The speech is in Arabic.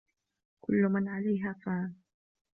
" كل من عليها فانٍ ".